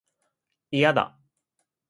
いやだ